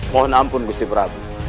mohon ampun gusipra